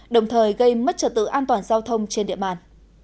đồng thời gây mất trật tự an toàn giao thông trên địa bàn